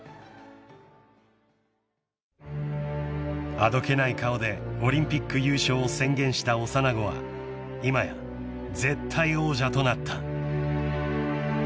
［あどけない顔でオリンピック優勝を宣言した幼子は今や絶対王者となった］